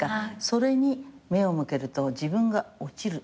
それに目を向けると自分が落ちる。